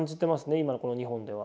今のこの日本では。